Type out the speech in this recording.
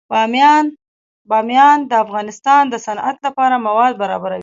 بامیان د افغانستان د صنعت لپاره مواد برابروي.